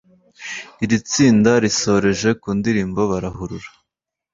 Iri tsinda risoreje ku ndirimbo ’Barahurura’